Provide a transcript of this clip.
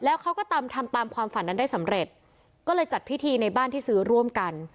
แล้วเขาก็ทำทำตามความฝันนั้นได้สำเร็จก็เลยจัดพิธีในบ้านที่ซื้อร่วมกัน